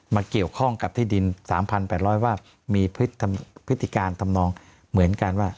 มาเกี่ยวข้องกับที่ดิน๓๘๐๐ว่ามีพฤติการทำนองเหมือนกันว่า